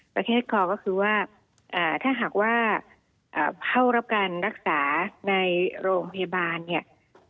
คอก็คือว่าถ้าหากว่าเข้ารับการรักษาในโรงพยาบาลเนี่ย